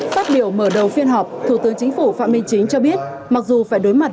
phát biểu mở đầu phiên họp thủ tướng chính phủ phạm minh chính cho biết mặc dù phải đối mặt